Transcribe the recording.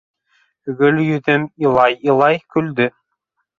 Гөлйөҙөм илай-илай көлдө.